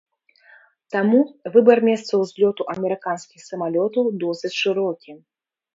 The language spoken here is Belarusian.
Таму выбар месца ўзлёту амерыканскіх самалётаў досыць шырокі.